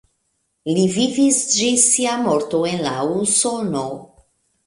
Li vivis ĝis sia morto en la Usono.